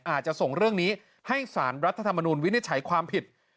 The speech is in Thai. อาจจะส่งเรื่องนี้ให้สารรัฐธรรมนุนวินิจฉัยความผิด